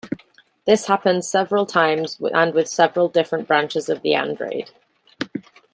This happened several times and with several different branches of the Andrade.